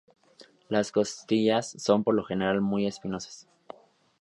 Las costillas son por lo general muy espinosas.